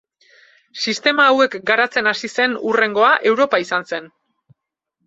Sistema hauek garatzen hasi zen hurrengoa Europa izan zen.